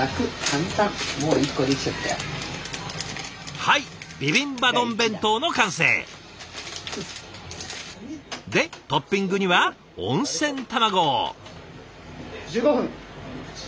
はいビビンバ丼弁当の完成！でトッピングには温泉卵。